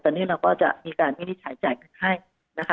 ตอนนี้เราก็จะมีการวินิจฉายให้นะคะ